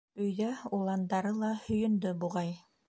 Өйҙә уландары ла һөйөндө, буғай.